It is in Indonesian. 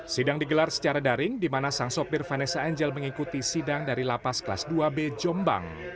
sidang digelar secara daring di mana sang sopir vanessa angel mengikuti sidang dari lapas kelas dua b jombang